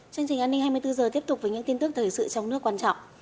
chương trình an ninh hai mươi bốn h tiếp tục với những tin tức thời sự trong nước quan trọng